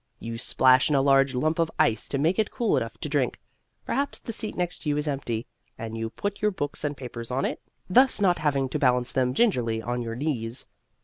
You splash in a large lump of ice to make it cool enough to drink. Perhaps the seat next you is empty, and you put your books and papers on it, thus not having to balance them gingerly on your knees.